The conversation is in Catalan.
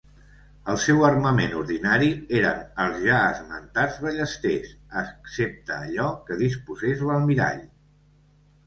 El seu armament ordinari eren els ja esmentats ballesters, excepte allò que disposés l'almirall.